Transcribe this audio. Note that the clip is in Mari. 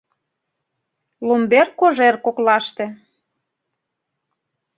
Ломбер, кожер коклаште